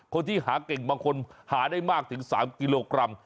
คนที่หาเก่งบางคนหาได้มากถึง๓กิโลกรัม